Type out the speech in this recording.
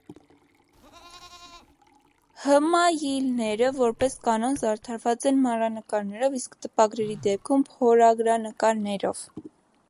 Հմայիլները, որպես կանոն, զարդարված են մանրանկարներով, իսկ տպագրերի դեպքում՝ փորագրանկարներով։